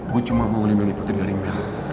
gue cuma mau ngeling lengi putri dari mel